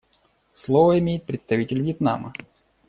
Слово имеет представитель Вьетнама.